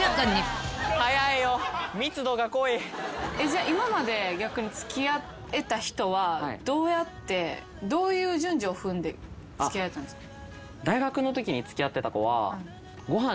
じゃあ今まで逆に付き合えた人はどうやってどういう順序を踏んで付き合えたんですか？